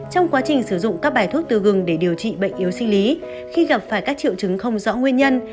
trong quá trình sử dụng các bài thuốc tư gừng để điều trị bệnh yếu sinh lý khi gặp phải các triệu chứng không rõ nguyên nhân